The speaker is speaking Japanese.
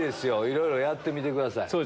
いろいろやってみてください。